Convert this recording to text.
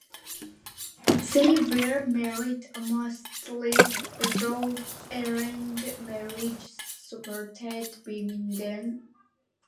They were married mostly through arranged marriages supported by Mindan.